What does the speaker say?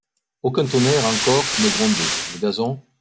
Aucun tonnerre encor ne grondait ; le gazon